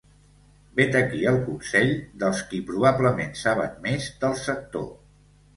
Vet aquí el consell dels qui probablement saben més del sector.